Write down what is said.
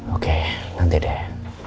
oke nanti deh